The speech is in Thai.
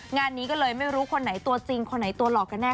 งานนี้ก็เลยไม่รู้คนไหนตัวจริงคนไหนตัวหลอกกันแน